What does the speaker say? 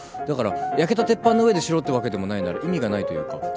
だから焼けた鉄板の上でしろってわけでもないなら意味がないというか。